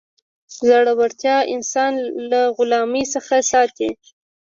زړورتیا انسان له غلامۍ څخه ساتي.